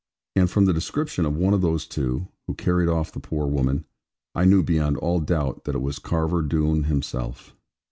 And from the description of one of those two, who carried off the poor woman, I knew beyond all doubt that it was Carver Doone himself.